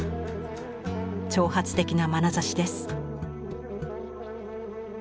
挑発的なまなざしです。